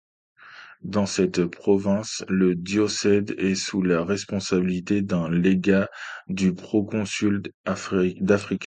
Dans cette province, le diocèse est sous la responsabilité d'un légat du proconsul d'Afrique.